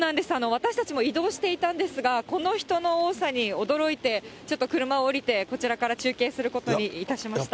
私たちも移動していたんですが、この人の多さに驚いてちょっと車を降りて、こちらから中継することにいたしました。